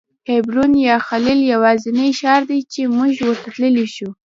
حبرون یا الخلیل یوازینی ښار دی چې موږ ورته تللی شو.